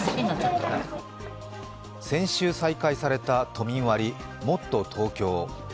先週再開された都民割もっとＴｏｋｙｏ。